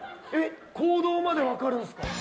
行動までわかるんすか？